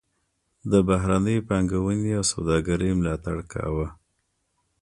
د بهرنۍ پانګونې او سوداګرۍ ملاتړ کاوه.